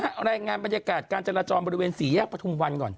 รายงานบรรยากาศการจราจรบริเวณสี่แยกประทุมวันก่อน